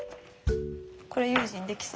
これ悠仁できそう！